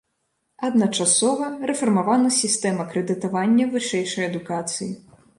Адначасова рэфармавана сістэма крэдытавання вышэйшай адукацыі.